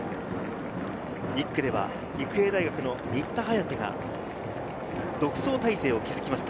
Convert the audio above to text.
１区では育英大学の新田颯が独走態勢を築きました。